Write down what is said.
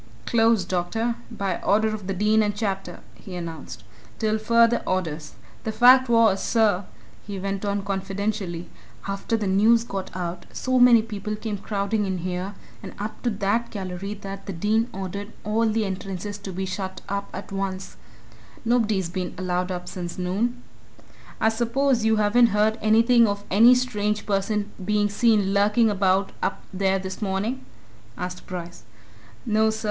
"Closed, doctor by order of the Dean and Chapter," he announced. "Till further orders. The fact was, sir," he went on confidentially, "after the news got out, so many people came crowding in here and up to that gallery that the Dean ordered all the entrances to be shut up at once nobody's been allowed up since noon." "I suppose you haven't heard anything of any strange person being seen lurking about up there this morning?" asked Bryce. "No, sir.